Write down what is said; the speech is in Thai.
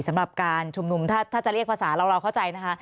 สำหรับการชุมนุมถ้าจะเรียกภาษาเราเข้าใจนะคะ